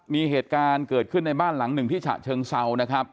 มีเหตุการณ์เกิดขึ้นในบ้านหลังหนึ่งที่ฉะเชิงเซานะครับ